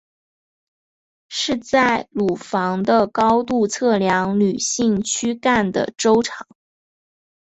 是在乳房的高度测量女性躯干的周长。